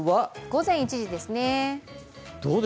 午前１時ですね。